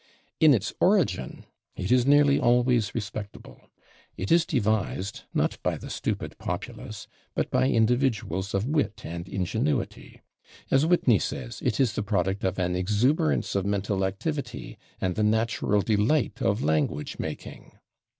In its origin it is nearly always respectable; it is devised not by the stupid populace, but by individuals of wit and ingenuity; as Whitney says, it is a product of an "exuberance of mental activity, and the natural delight of language making."